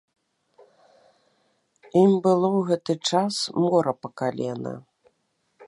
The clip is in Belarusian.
Ім было ў гэты час мора па калена.